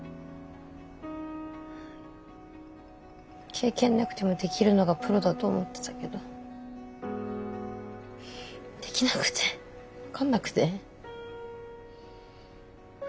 経験なくてもできるのがプロだと思ってたけどできなくて分かんなくて。